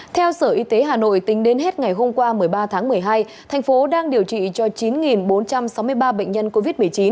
theo sở y tế hà nội tính đến hết ngày hôm qua một mươi ba tháng một mươi hai thành phố đang điều trị cho chín bốn trăm sáu mươi ba bệnh nhân covid một mươi chín